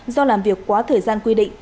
do làm việc quá thời gian quy định